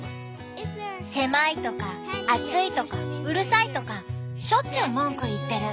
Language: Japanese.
狭いとか暑いとかうるさいとかしょっちゅう文句言ってる。